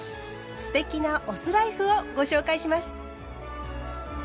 “酢テキ”なお酢ライフをご紹介します。